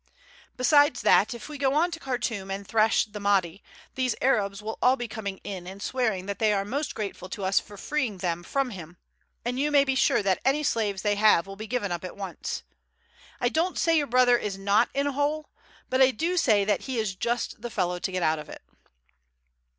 Besides that, if we go on to Khartoum and thrash the Mahdi, these Arabs will all be coming in and swearing that they are most grateful to us for freeing them from him, and you may be sure that any slaves they have will be given up at once. I don't say your brother is not in a hole; but I do say that he is just the fellow to get out of it."